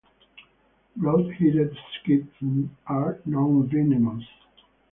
Broad-headed skinks are nonvenomous.